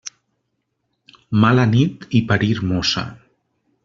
Mala nit i parir mossa.